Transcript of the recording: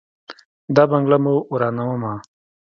دا بنګله مو ورانومه.